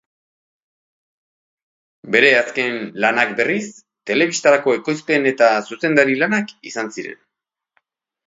Bere azken lanak, berriz, telebistarako ekoizpen- eta zuzendari-lanak izan ziren.